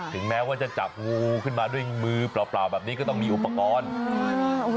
ถึงแม้ว่าจะจับงูขึ้นมาด้วยมือเปล่าแบบนี้ก็ต้องมีอุปกรณ์